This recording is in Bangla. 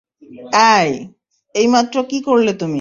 অ্যাই, এইমাত্র কী করলে তুমি?